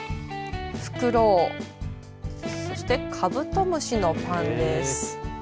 フクロウ、そしてカブトムシのパンです。